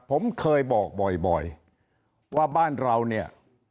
ผมเคยบอกบ่อยว่าบ้านเราเนี่ย